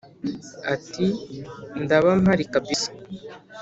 ati"ndaba mpari kabisa"